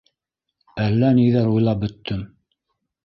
Әллә ниҙәр уйлап бөттөм...